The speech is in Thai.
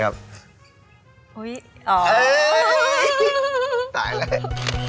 เอ้ยถ่ายเลย